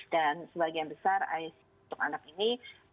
dan sebagian besar untuk anak ini